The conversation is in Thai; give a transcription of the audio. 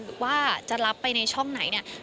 หรือว่าจะรับไปในช่องไหนเนี่ย